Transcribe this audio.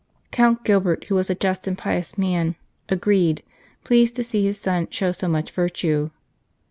Count Gilbert, who was a just and pious man, agreed, pleased to see his son show so much virtue.